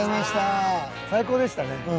最高でしたね。